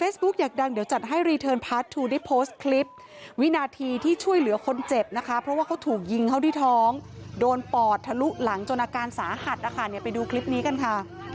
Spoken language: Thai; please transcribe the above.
สาหัสนะคะไปดูคลิปนี้กันค่ะ